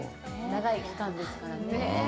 長い期間ですからね。